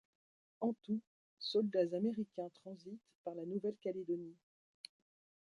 En tout, soldats américains transitent par la Nouvelle-Calédonie.